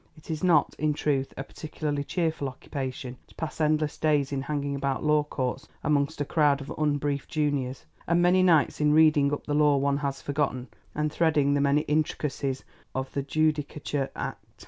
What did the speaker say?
It is not, in truth, a particularly cheerful occupation to pass endless days in hanging about law courts amongst a crowd of unbriefed Juniors, and many nights in reading up the law one has forgotten and threading the many intricacies of the Judicature Act.